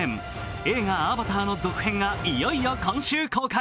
映画「アバター」の続編がいよいよ今週公開。